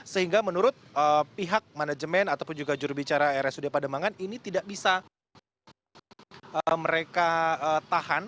sehingga menurut pihak manajemen ataupun juga jurubicara rsud pademangan ini tidak bisa mereka tahan